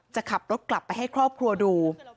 จะขับรถกลับไปให้ครอบครัวดู